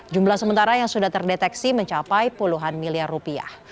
jumlah sementara yang sudah terdeteksi mencapai puluhan miliar rupiah